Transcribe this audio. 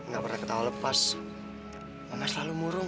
gak pernah ketawa lepas nggak selalu murung